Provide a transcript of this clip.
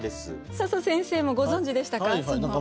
笹先生もご存じでしたか？